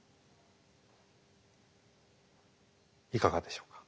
いかがでしょうか？